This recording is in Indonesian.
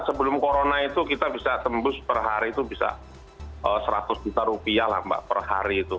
sebelum corona itu kita bisa tembus per hari itu bisa seratus juta rupiah lah mbak per hari itu